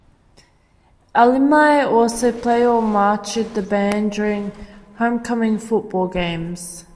Alumni also play or march with the band during homecoming football games.